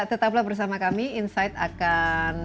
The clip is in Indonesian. tetaplah bersama kami insight akan